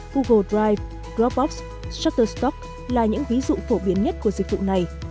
google drive dropbox shutterstock là những ví dụ phổ biến nhất của dịch vụ này